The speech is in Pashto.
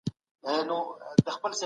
پرمختیايي هیوادونه کافي بودیجه نه لري.